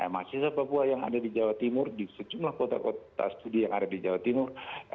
mahasiswa papua yang ada di jawa timur di sejumlah kota kota studi yang ada di jawa timur